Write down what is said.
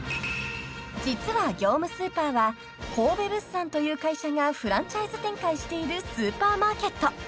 ［実は業務スーパーは神戸物産という会社がフランチャイズ展開しているスーパーマーケット］